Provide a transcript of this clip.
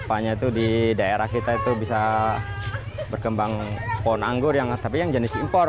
apanya itu di daerah kita itu bisa berkembang pohon anggur tapi yang jenis impor